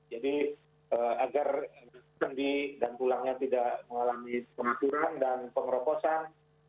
jadi agar sendi dan tulangnya tidak mengalami benturan dan pengerokosan